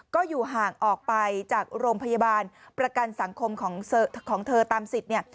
ก็อยู่ห่างออกไปจากโรงพยาบาลประกันสังคมของเธอตามสิทธิ์